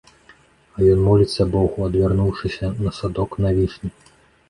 А ён моліцца богу, адвярнуўшыся на садок, на вішні.